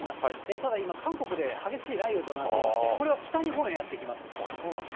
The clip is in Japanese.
ただ、今、韓国で激しい雷雨となってまして、これは北日本へやって来ます。